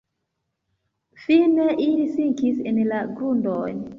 Fine ili sinkis en la grundon.